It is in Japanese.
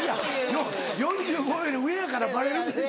４５より上やからバレるでしょ。